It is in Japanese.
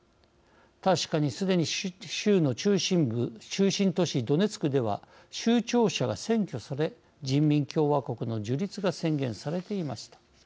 確かにすでに州の中心都市ドネツクでは州庁舎が占拠され人民共和国の樹立が宣言されていました。